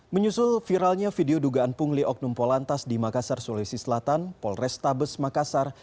menyusul viralnya video dugaan pungli oknum polantas di makassar sulawesi selatan polrestabes makassar